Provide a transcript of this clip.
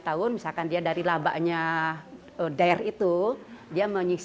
pak coki waktu itu pertama kali kita mengenal